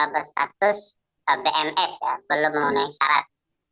berstatus bms belum memenuhi syarat